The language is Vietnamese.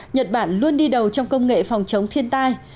nhật bản luôn đi đầu trong công nghệ phòng chống thiên tai